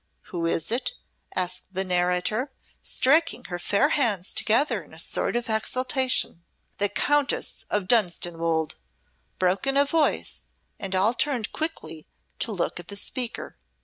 Who is it?" asked the narrator, striking her fair hands together in a sort of exultation. "The Countess of Dunstanwolde!" broke in a voice, and all turned quickly to look at the speaker.